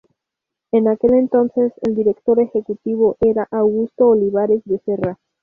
En aquel entonces el Director Ejecutivo era Augusto Olivares Becerra.